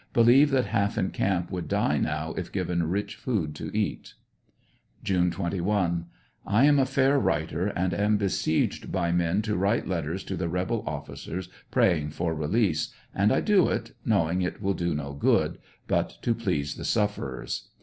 Believe that half in camp Would die now if given rich food to eat. June 21 .— I am a fair writer, and am besieged by men to write letters to the rebel officers praying for release, and I do it, knowing it will do no good, but to please the sufferers.